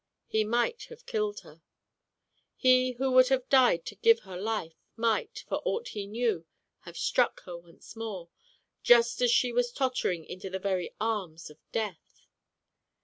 He might have killed her. He who would have died to give her life, might, for aught he knew, have struck her once more, just as she was tottering into the very arms of death.